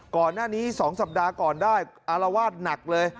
ก่อนหน้านี้๒สัปดาห์ก่อนได้อารวาสหนักเลย